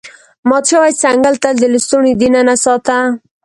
مات شوی څنګل تل د لستوڼي دننه ساته.